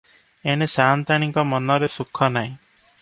ଏଣେ ସା’ନ୍ତାଣୀଙ୍କ ମନରେ ସୁଖ ନାହିଁ ।